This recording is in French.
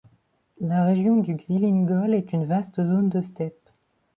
La région du Xilin Gol est une vaste zone de steppe.